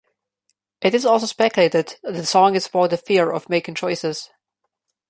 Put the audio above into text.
It is also speculated that the song is about the fear of making choices.